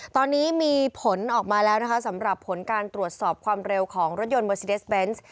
ตอนนี้มีผลออกมาแล้วนะคะสำหรับผลการตรวจสอบความเร็วของรถยนต์เมอร์ซีเดสเบนส์